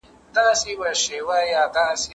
وایم بیا به ګوندي راسي